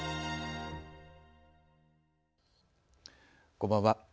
こんばんは。